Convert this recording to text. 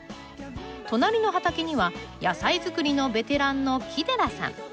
隣の畑には野菜作りのベテランの木寺さん。